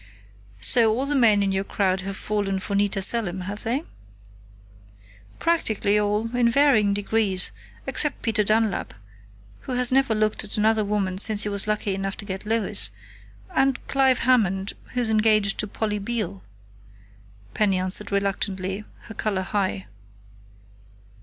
"So all the men in your crowd have fallen for Nita Selim, have they?" "Practically all, in varying degrees, except Peter Dunlap, who has never looked at another woman since he was lucky enough to get Lois, and Clive Hammond, who's engaged to Polly Beale," Penny answered reluctantly, her color high.